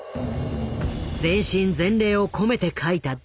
全身全霊を込めて書いた第１話。